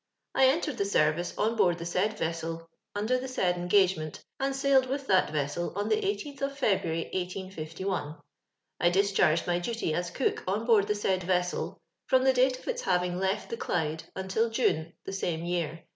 I cutenxi the service on board the said vessel, under the said engiigeroeut, and sailed with that vessel on the 18th of Fcbru irv, Ibbl. I dischargod my duty as cook on board tiic Kiid veseel. ttoxa the date of its liaving left the Clydu, until June the same vcar.